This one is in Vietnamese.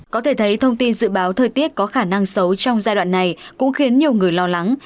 có thể thấy thông tin dự báo thời tiết có khả năng xấu trong giai đoạn này cũng khiến nhiều người lo lắng